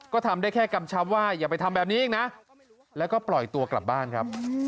ก็ทำได้แค่กำชับว่าอย่าไปทำแบบนี้อีกนะแล้วก็ปล่อยตัวกลับบ้านครับ